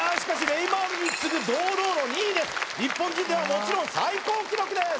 ネイマールに次ぐ堂々の２位です日本人ではもちろん最高記録です